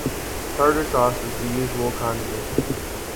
Tartar sauce is the usual condiment.